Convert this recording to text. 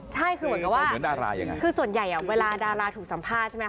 ใช่คือเหมือนกันว่าคือส่วนใหญ่อ่ะเวลาดาราถูกสัมภาษณ์ใช่ไหม